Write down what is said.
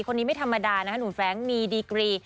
คนนี้ไม่ธรรมดานะคะหนุ่มแฟรงค์มีดีกรี